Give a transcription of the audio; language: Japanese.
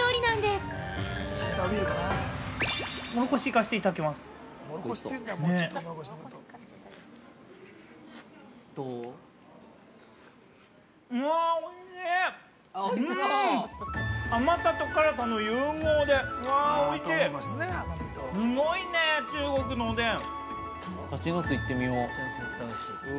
すごいね、中国のおでん。